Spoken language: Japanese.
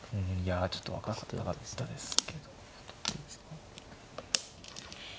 いやちょっと分かってなかったですけど。